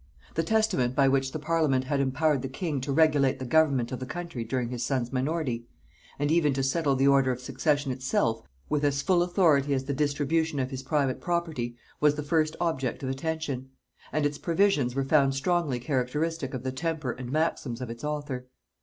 The testament by which the parliament had empowered the king to regulate the government of the country during his son's minority, and even to settle the order of succession itself, with as full authority as the distribution of his private property, was the first object of attention; and its provisions were found strongly characteristic of the temper and maxims of its author.